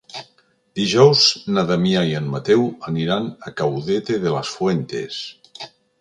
Dijous na Damià i en Mateu aniran a Caudete de las Fuentes.